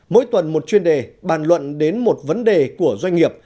mỗi tuần một chuyên đề bàn luận đến một vấn đề của doanh nghiệp